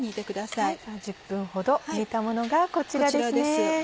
１０分ほど煮たものがこちらですね。